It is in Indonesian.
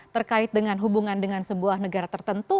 terkait dengan hubungan dengan sebuah negara tertentu